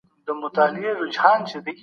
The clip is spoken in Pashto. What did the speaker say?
حکومت سیاسي بندیان نه ساتي.